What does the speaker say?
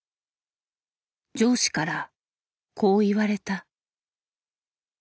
上司からこう言われた。